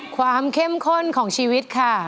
ความเข้มข้นของชีวิตค่ะ